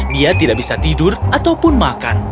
dia tidak bisa tidur ataupun makan